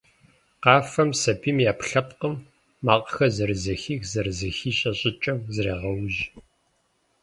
Къафэм сабийм и Ӏэпкълъэпкъым, макъхэр зэрызэхих-зэрызыхищӀэ щӀыкӀэм зрегъэужь.